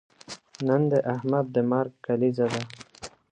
نن د احمد د مرګ کلیزه ده.